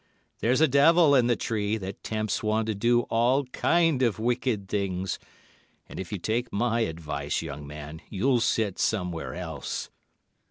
There's a devil in the tree that tempts one to do all kind of wicked things, and if you take my advice, young man, you'll sit somewhere else."